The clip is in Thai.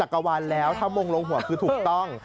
กลัวแล้วถ้ามงลงหัวถูกต้อง